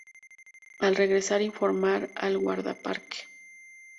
Al regresar informar al Guardaparque.